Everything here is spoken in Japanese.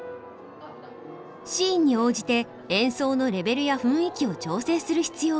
シーンに応じて演奏のレベルや雰囲気を調整する必要があります。